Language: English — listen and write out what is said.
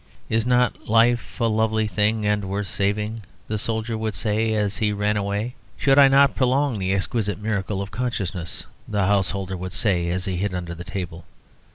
"Is not life a lovely thing and worth saving?" the soldier would say as he ran away. "Should I not prolong the exquisite miracle of consciousness?" the householder would say as he hid under the table.